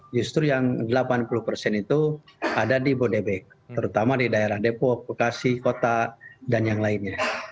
justru yang delapan puluh persen itu ada di bodebek terutama di daerah depok bekasi kota dan yang lainnya